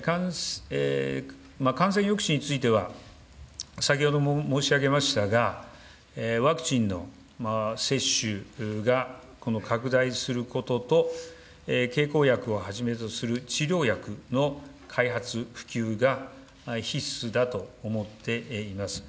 感染抑止については、先ほども申し上げましたが、ワクチンの接種が拡大することと、経口薬をはじめとする治療薬の開発、普及が必須だと思っています。